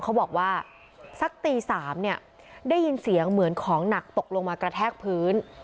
เขาบอกว่าสักตี๓เนี่ยได้ยินเสียงเหมือนของหนักตกลงมากระแทกพื้น